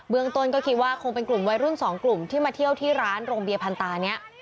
เมืองต้นก็คิดว่าคงเป็นกลุ่มวัยรุ่นสองกลุ่มที่มาเที่ยวที่ร้านโรงเบียพันตานี้